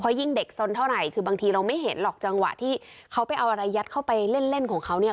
ยิ่งเด็กสนเท่าไหร่คือบางทีเราไม่เห็นหรอกจังหวะที่เขาไปเอาอะไรยัดเข้าไปเล่นเล่นของเขาเนี่ย